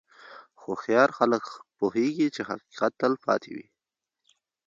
هوښیار خلک پوهېږي چې حقیقت تل پاتې وي.